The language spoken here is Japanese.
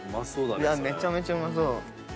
めちゃめちゃうまそう。